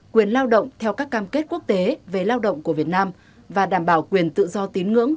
quyền lao động theo các cam kết quốc tế về lao động của việt nam và đảm bảo quyền tự do tín ngưỡng